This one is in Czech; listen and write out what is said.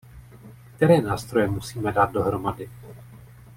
Které nástroje musíme dát dohromady?